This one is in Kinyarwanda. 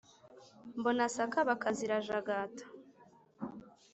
mbona sakabaka zirajagata